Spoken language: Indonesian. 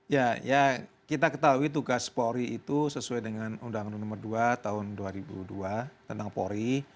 ya ya kita ketahui tugas polri itu sesuai dengan undang undang nomor dua tahun dua ribu dua tentang polri